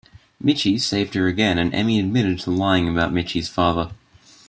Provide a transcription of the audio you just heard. Michi saved her again and Emmy admitted to lying about Michi's father.